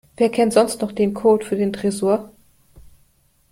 Wer kennt sonst noch den Code für den Tresor?